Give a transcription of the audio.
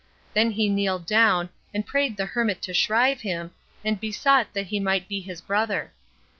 Then he kneeled down, and prayed the hermit to shrive him, and besought that he might be his brother.